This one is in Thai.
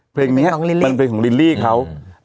เพลงนี้มันเป็นเพลงของลิลลี่เขา